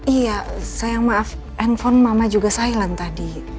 iya saya maaf handphone mama juga silent tadi